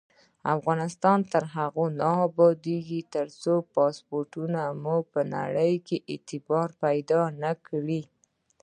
افغانستان تر هغو نه ابادیږي، ترڅو پاسپورت مو په نړۍ کې اعتبار پیدا نکړي.